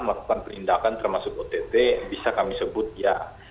melakukan penindakan termasuk ott bisa kami sebut ya